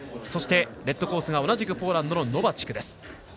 そしてレッドコースが同じくポーランドのノバチク。